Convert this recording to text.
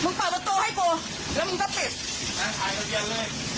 มึงเปล่าตัวโต๊ะให้กูแล้วมึงก็ปิด